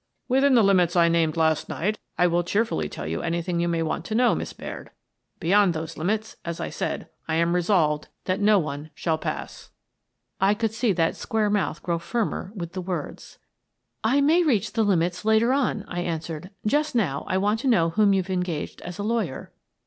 "Within the limits I named last night, I will cheerfully tell you anything you may want to know, Miss Baird. Beyond those limits, as I said, I am resolved that no one shall pass." 4 158 Miss Frances Baird, Detective I could see that square mouth grow firmer with the words. " I may reach the limits later on," I answered. " Just now I want to know whom you've engaged as a lawyer."